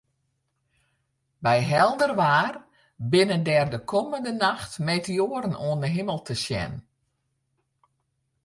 By helder waar binne der de kommende nacht meteoaren oan 'e himel te sjen.